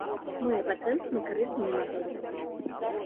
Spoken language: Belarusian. Мае патэнт на карысную мадэль.